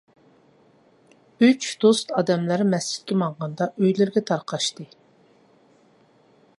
ئۈچ دوست ئادەملەر مەسچىتكە ماڭغاندا ئۆيلىرىگە تارقاشتى.